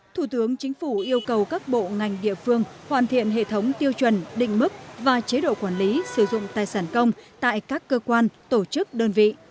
thủ tướng chính phủ yêu cầu các bộ ngành địa phương hoàn thiện hệ thống tiêu chuẩn định mức và chế độ quản lý sử dụng tài sản công tại các cơ quan tổ chức đơn vị